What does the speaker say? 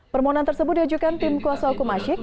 permohonan tersebut diajukan tim kuasa hukum asyik